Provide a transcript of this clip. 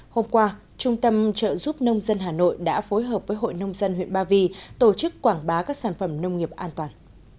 hôm qua trung tâm trợ giúp nông dân hà nội đã phối hợp với hội nông dân huyện ba vì tổ chức quảng bá các sản phẩm nông nghiệp an toàn